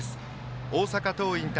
大阪桐蔭対